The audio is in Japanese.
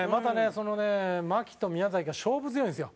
そのね牧と宮が勝負強いんですよ。